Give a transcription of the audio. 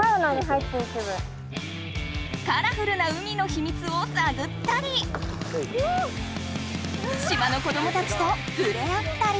カラフルな海のヒミツをさぐったり島の子どもたちとふれ合ったり。